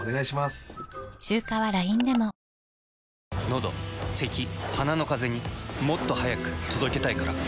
のどせき鼻のカゼにもっと速く届けたいから。